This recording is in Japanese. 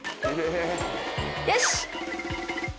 よし。